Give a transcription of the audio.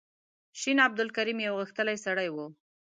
شین عبدالکریم یو غښتلی سړی و.